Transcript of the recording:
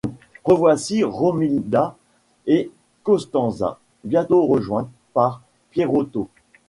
Revoici Romilda et Costanza, bientôt rejointes par Pierotto.